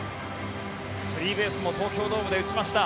スリーベースも東京ドームで打ちました。